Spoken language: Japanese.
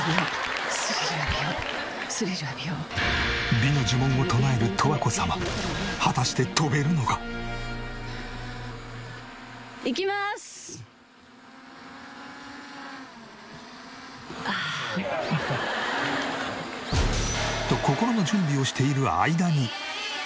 美の呪文を唱える十和子様。と心の準備をしている間に。